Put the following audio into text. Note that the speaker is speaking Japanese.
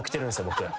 僕。